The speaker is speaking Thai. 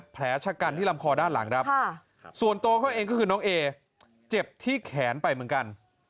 แผลชะกันที่ลำคอด้านหลังครับส่วนตัวเขาเองก็คือน้องเอเจ็บที่แขนไปเหมือนกัน